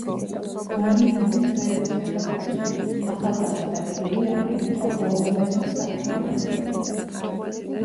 ვალინორის ხეების ეპოქაში ახალგაზრდა ტილიონი იყო ორომეს მსახური მონადირე.